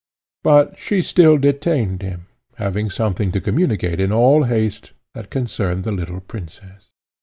But she still detained him, having something to communicate in all haste, that concerned the little princess.